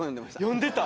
読んでた。